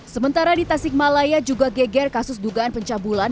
sementara di tasik malaya juga geger kasus dugaan pencabulan